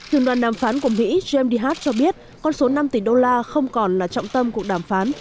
thường đoàn đàm phán của mỹ james d hart cho biết con số năm tỷ đô la không còn là trọng tâm cuộc đàm phán